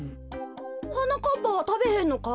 はなかっぱはたべへんのか？